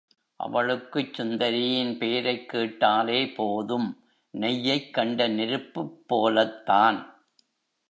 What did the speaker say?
அவளுக்குச் சுந்தரியின் பேரைக் கேட்டாலே போதும் நெய்யைக் கண்ட நெருப்புப் போலத்தான்.